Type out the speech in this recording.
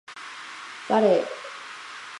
バレー